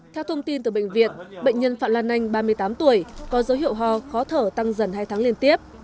theo thông tin từ bệnh viện bệnh nhân phạm lan anh ba mươi tám tuổi có dấu hiệu ho khó thở tăng dần hai tháng liên tiếp